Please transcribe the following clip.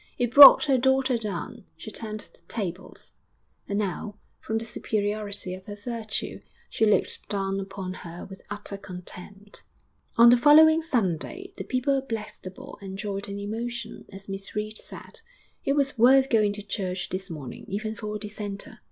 It brought her daughter down; she turned the tables, and now, from the superiority of her virtue, she looked down upon her with utter contempt. IV On the following Sunday the people of Blackstable enjoyed an emotion; as Miss Reed said, 'It was worth going to church this morning, even for a dissenter.'